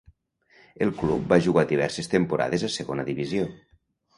El club va jugar diverses temporades a segona divisió.